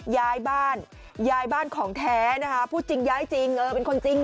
ย้ายบ้านย้ายบ้านของแท้นะคะพูดจริงย้ายจริงเออเป็นคนจริง